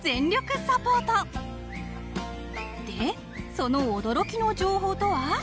その驚きの情報とは］